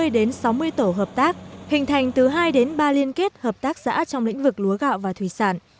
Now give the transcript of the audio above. hai mươi đến sáu mươi tổ hợp tác hình thành từ hai đến ba liên kết hợp tác xã trong lĩnh vực lúa gạo và thủy sản